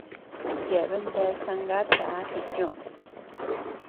Yeabean bea zangáta jikioʼö.